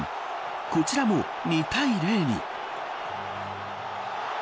こちらも２対０に。